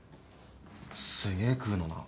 すげえ食うのな。